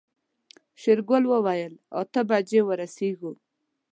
شېرګل وويل اته بجې ورسيږو.